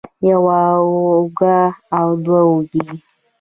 يوه اوږه او دوه اوږې